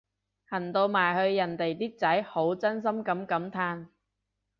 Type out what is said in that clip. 行到埋去人哋啲仔好真心噉感嘆